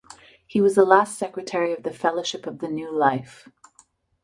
He was the last secretary of the Fellowship of the New Life.